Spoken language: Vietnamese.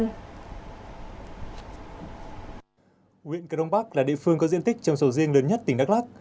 nguyện cần ông bắc là địa phương có diện tích trong sầu riêng lớn nhất tỉnh đắk lắk